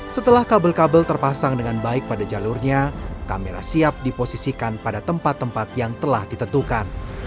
setelah kabel kabel terpasang dengan baik pada jalurnya kamera siap diposisikan pada tempat tempat yang telah ditentukan